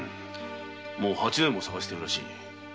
もう八年も捜しているらしい。